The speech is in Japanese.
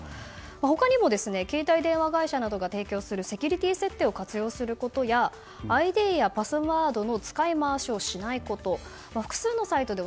他にも、携帯電話会社などが提供するセキュリティー設定を活用することやＩＤやパスワードの使い回しをしないこと。